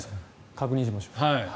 確認しましょう。